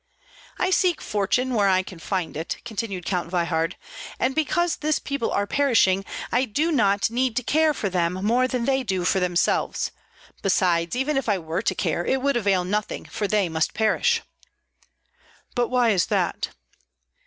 "I seek fortune where I can find it," continued Count Veyhard; "and because this people are perishing, I do not need to care for them more than they do for themselves, besides, even if I were to care, it would avail nothing, for they must perish." "But why is that?"